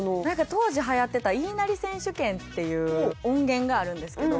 当時はやってた「言いなり選手権」っていう音源があるんですけど